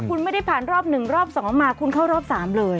คุณไม่ได้ผ่านรอบ๑รอบ๒มาคุณเข้ารอบ๓เลย